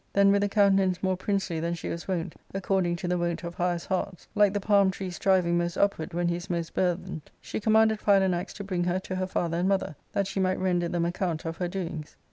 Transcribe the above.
Then, with a coun tenance more princely than she was wont, according to the wont of highest hearts, like the palm tree striving most up ward when he is most burthened, ^he commanded Philanax to bring her to her father and mother that she might render f hem account of her doings.